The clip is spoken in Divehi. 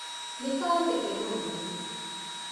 ނިކާލްގެ ދެލޯ ބޮޑުވި